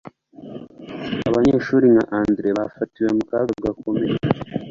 Abanyeshuri nka Andrea bafatiwe mu kaga gakomeye